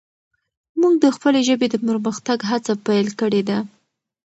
موږ د خپلې ژبې د پرمختګ هڅه پیل کړي ده.